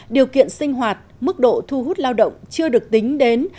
điều kiện sinh hoạt mức độ thu hút lao động chưa được tính đến